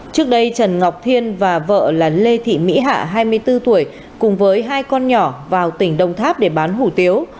trước đây trần ngọc thiên và vợ là lê thị mỹ hạ hai mươi bốn tuổi cùng với hai con nhỏ vào tỉnh đồng tháp để bán hủ tiếu